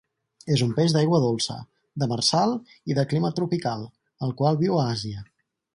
És un peix d'aigua dolça, demersal i de clima tropical, el qual viu a Àsia.